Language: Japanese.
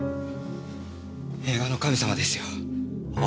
映画の神様ですよ。は？